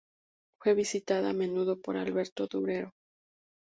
Fue visitada a menudo por Alberto Durero.